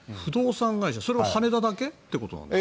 それは羽田だけということですか？